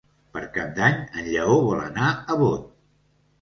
Per Cap d'Any en Lleó vol anar a Bot.